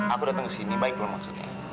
aku datang kesini baik lah maksudnya